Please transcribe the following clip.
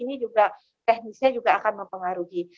ini juga teknisnya juga akan mempengaruhi